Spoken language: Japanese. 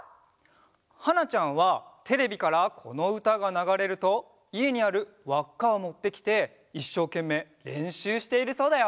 はなちゃんはテレビからこのうたがながれるといえにあるわっかをもってきていっしょうけんめいれんしゅうしているそうだよ！